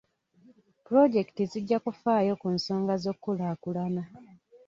Pulojekiti zijja kufaayo ku nsonga z'okukulaakulana.